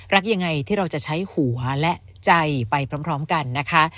รักยังไงที่เราจะใช้หัวและใจไปพร้อมกันนะคะ